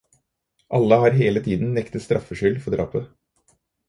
Alle har hele tiden nektet straffskyld for drapet.